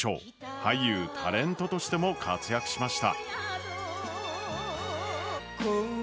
俳優、タレントとしても活躍しました。